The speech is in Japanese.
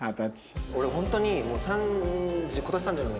俺ホントに。